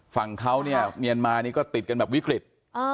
ฝั่งเขาเนี่ยเมียนมานี่ก็ติดกันแบบวิกฤต